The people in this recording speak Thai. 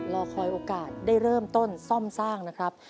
รอคอยโอกาสได้เริ่มต้นซ่อมสร้างนะครับ